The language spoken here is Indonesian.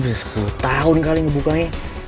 gue bisa sepuluh tahun kali ngebukanya